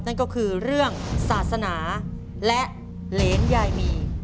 นั่นก็คือเรื่องศาสนาและเหรนยายมี